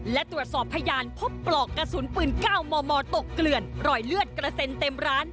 และตรวจสอบพยานพบปลอกกระสุนปืน๙มมตกเกลื่อนรอยเลือดกระเซ็นเต็มร้าน